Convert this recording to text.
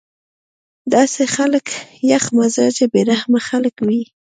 داسې خلک يخ مزاجه بې رحمه خلک وي